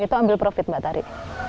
itu ambil profit mbak tari